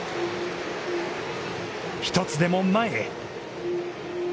１つでも前へ！